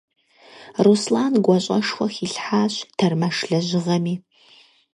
Руслан гуащӀэшхуэ хилъхьащ тэрмэш лэжьыгъэми.